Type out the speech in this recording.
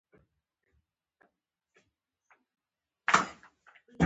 جوجو وويل، دا سړي مې د مکتب اداره کې ولید.